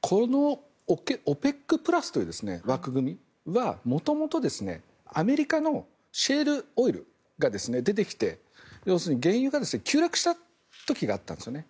このＯＰＥＣプラスという枠組みは元々、アメリカのシェールオイルが出てきて原油が急落した時があったんですね。